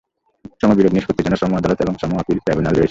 শ্রমবিরোধ নিষ্পত্তির জন্য শ্রম আদালত এবং শ্রম আপিল ট্রাইব্যুনাল রয়েছে।